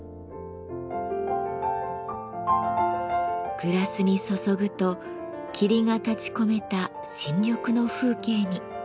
グラスに注ぐと霧が立ちこめた新緑の風景に。